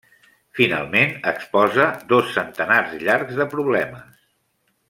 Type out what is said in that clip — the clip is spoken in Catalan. Finalment, exposa dos centenars llargs de problemes.